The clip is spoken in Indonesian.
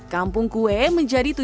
kampung kue menjadi terbang